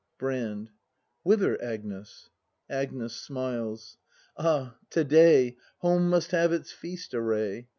Brand. Whither, Agnes ? Agnes. [Smiles.] Ah, to day Home must have its feast array!